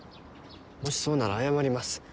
もしそうなら謝ります。